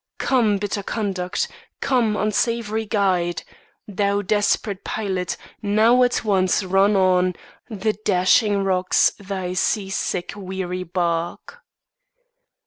Come, bitter conduct, come unsavoury guide! Thou desperate pilot, now at once run on The dashing rocks thy sea sick weary bark.